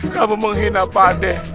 kamu menghina pade